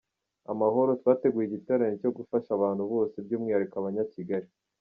Amahoro, twateguye igiterane cyo gufasha abantu bose by’Umwihariko abanya Kigali